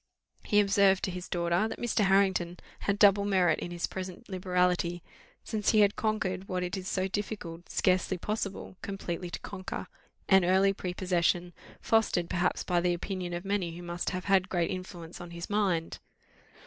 He observed to his daughter, that Mr. Harrington had double merit in his present liberality, since he had conquered what it is so difficult, scarcely possible, completely to conquer an early prepossession, fostered perhaps by the opinion of many who must have had great influence on his mind.